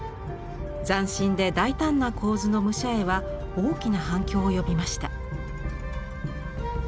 斬新で大胆な構図の武者絵は大きな反響を呼びました。